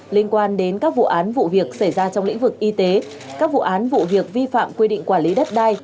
liên quan đến các vụ án vụ việc xảy ra trong lĩnh vực y tế các vụ án vụ việc vi phạm quy định quản lý đất đai